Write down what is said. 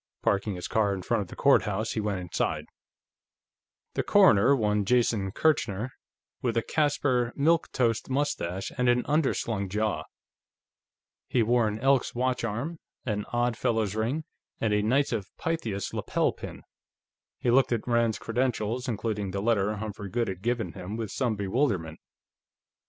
Parking his car in front of the courthouse, he went inside. The coroner, one Jason Kirchner, was an inoffensive looking little fellow with a Caspar Milquetoast mustache and an underslung jaw. He wore an Elks watchcharm, an Odd Fellows ring, and a Knights of Pythias lapel pin. He looked at Rand's credentials, including the letter Humphrey Goode had given him, with some bewilderment.